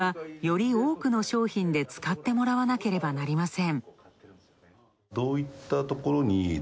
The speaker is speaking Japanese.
コストを下げるにはより多くの商品で使ってもらわなければなりません。